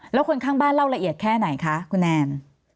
แล้วคนข้างบ้านเล่าละเอียดแค่ไหนคะคุณแนน